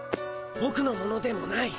ボクのものでもない。